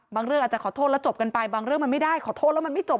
เรื่องอาจจะขอโทษแล้วจบกันไปบางเรื่องมันไม่ได้ขอโทษแล้วมันไม่จบ